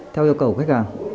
theo yêu cầu của khách hàng